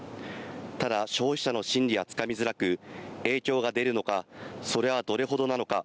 ただ、消費者の心理はつかみづらく、影響が出るのか、それはどれほどなのか。